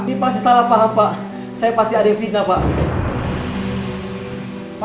ini pasti salah pak saya pasti adik fitnah pak